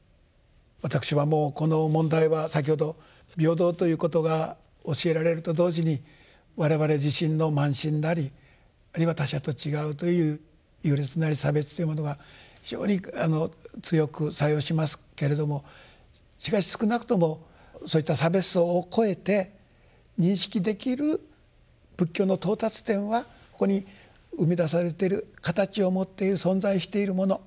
私はもうこの問題は先ほど平等ということが教えられると同時に我々自身の慢心なりあるいは他者と違うという許せない差別というものが非常に強く作用しますけれどもしかし少なくともそういった差別相を超えて認識できる仏教の到達点はここに生み出されてる形を持っている存在しているもの